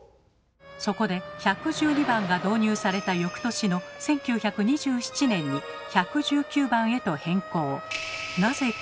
そこで１１２番が導入された翌年の１９２７年に１１９番へと変更。